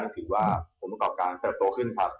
งบประกอบการเติบโตขึ้นครับ